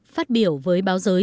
phát biểu với báo giới